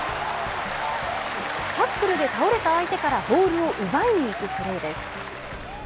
タックルで倒れた相手からボールを奪いにいくプレーです。